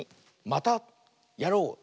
「またやろう！」。